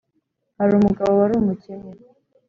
hari umugabo wari umukene